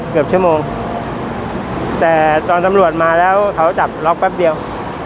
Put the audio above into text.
เกือบชั่วโมงแต่ตอนตำรวจมาแล้วเขาจับล็อกแป๊บเดียว